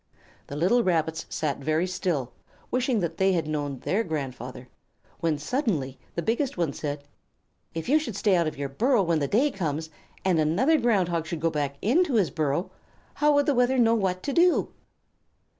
The little Rabbits sat very still, wishing that they had known their grandfather, when suddenly the biggest one said: "If you should stay out of your burrow when that day comes, and another Ground Hog should go back into his burrow, how would the weather know what to do?"